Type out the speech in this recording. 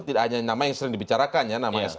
tidak hanya nama yang sering dibicarakan ya nama sby